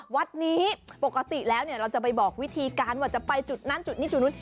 วัดนี้ปกติแล้วเราจะไปบอกวิธีการว่าจะไปจุดนั้นจุดนี้จุดนู้น